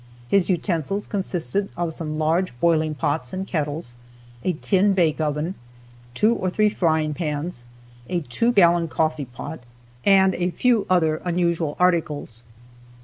His utensils consisted of some large boiling pots and kettles, a tin bake oven, two or three frying pans, a two gallon coffeepot and a few other usual articles.